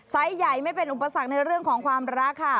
ใหญ่ไม่เป็นอุปสรรคในเรื่องของความรักค่ะ